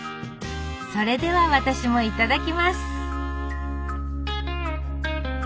それでは私もいただきます！